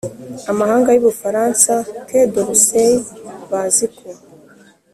amahanga y'u bufaransa (quai d'orsay) bazi ko